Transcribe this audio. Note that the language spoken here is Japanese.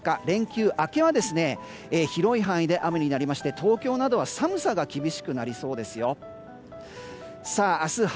連休明けは広い範囲で雨になり東京などは寒さが厳しくなりそうです。